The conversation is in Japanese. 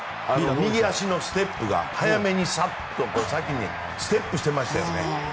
右足のステップが早めにサッと先にステップしてましたよね。